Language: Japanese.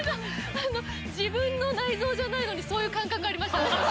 あの自分の内臓じゃないのにそういう感覚ありました。